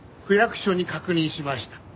区役所に確認しました。